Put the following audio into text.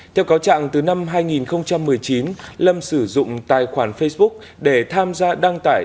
theo cáo trạng từ năm hai nghìn một mươi chín lâm sử dụng tài khoản facebook để tham gia đăng tải